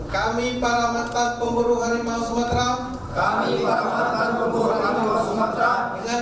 kami para mantan pemburu harimau sumatera